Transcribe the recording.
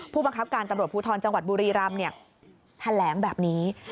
ผู้บังคับการตำรวจภูทรจังหวัดบุรีรำแถลงแบบนี้